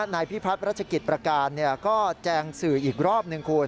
นายพิพัฒน์รัชกิจประการก็แจงสื่ออีกรอบหนึ่งคุณ